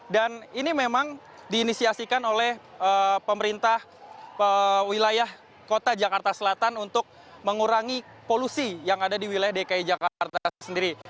dan ini memang diinisiasikan oleh pemerintah wilayah kota jakarta selatan untuk mengurangi polusi yang ada di wilayah dki jakarta sendiri